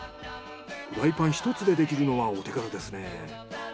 フライパン１つでできるのはお手軽ですね。